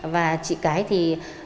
và chị cải thì